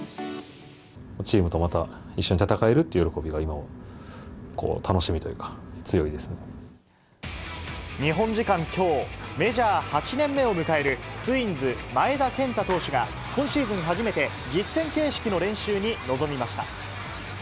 チームとまた一緒に戦えるっていう喜びが今は楽しみというか、日本時間きょう、メジャー８年目を迎えるツインズ・前田健太投手が、今シーズン初めて実戦形式の練習に臨みました。